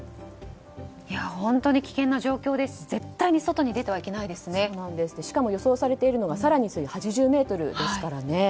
本当に危険な状況ですし絶対に外に出てはしかも、予想されているのは更に８０メートルですからね。